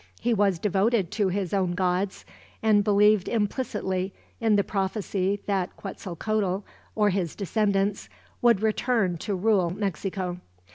He was devoted to his own gods, and believed implicitly in the prophecy that Quetzalcoatl, or his descendants, would return to rule Mexico.